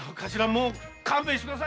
もう勘弁してくださいよ。